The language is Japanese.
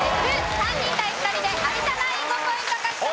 ３人対２人で有田ナイン５ポイント獲得です。